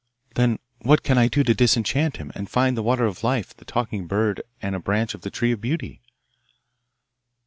'Then what can I do to disenchant him, and find the water of life, the talking bird, and a branch of the tree of beauty?